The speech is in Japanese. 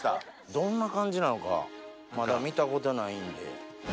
どんな感じなのかまだ見たことないんで。